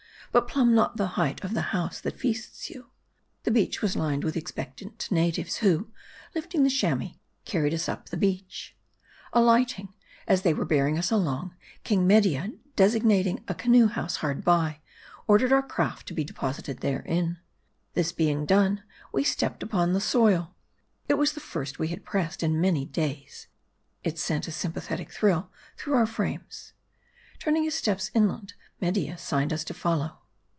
But plumb not the height of the house that feasts you. The beach was lined with expectant natives, who, lifting the Chamois, carried us up the beach. Alighting, as they were bearing us along, King Media, designating a canoe house hard by, ordered our craft to be deposited therein. This being done, we stepped upon the soil. It was the first we had pressed in very many days. It sent a sympathetic thrill through our frames. Turning his steps inland, Media signed us to follow.